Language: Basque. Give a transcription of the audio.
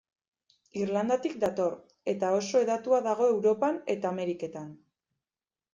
Irlandatik dator, eta oso hedatua dago Europan eta Ameriketan.